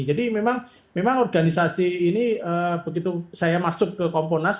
jadi memang organisasi ini begitu saya masuk ke komponas